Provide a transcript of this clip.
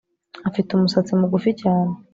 Afite umusatsi mugufi cyane